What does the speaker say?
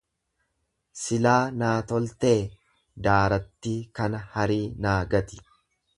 """Silaa naa toltee daarattii kana harii naa gati""."